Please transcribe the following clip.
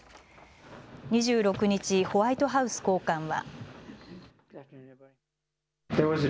２６日、ホワイトハウス高官は。